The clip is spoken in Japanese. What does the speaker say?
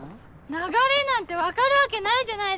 流れなんて分かるわけないじゃないですか！